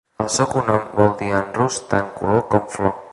El seu cognom vol dir en rus tant "color" com "flor".